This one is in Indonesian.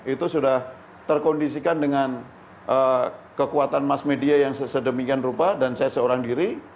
itu sudah terkondisikan dengan kekuatan mass media yang sedemikian rupa dan saya seorang diri